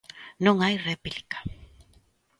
¡Non hai réplica!